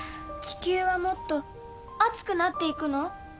地球はもっと熱くなっていくの？